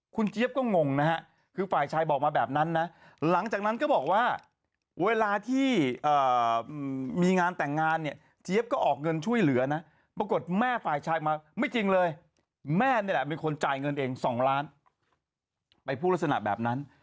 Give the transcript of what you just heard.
คุณเจี๊ยบก็งงนะฮะคือฝ่ายชายบอกมาแบบนั้นนะหลังจากนั้นก็บอกว่าเวลาที่มีงานแต่งงานเนี่ยเจี๊ยบก็ออกเงินช่วยเหลือนะปรากฏแม่ฝ่ายชายมาไม่จริงเลยแม่นี่แหละเป็นคนจ่ายเงินเอง๒ล้านไปพูดลักษณะแบบนั้น